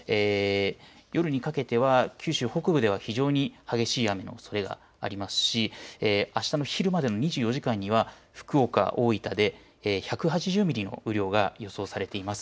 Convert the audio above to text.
夜にかけては九州北部では非常に激しい雨のおそれがありますしあしたの昼までの２４時間には福岡、大分で１８０ミリの雨量が予想されています。